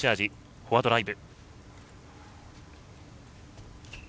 フォアドライブ。